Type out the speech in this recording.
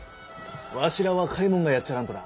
わしら若いもんがやっちゃらんとな！